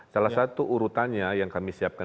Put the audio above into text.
salah satu urutannya yang kami siapkan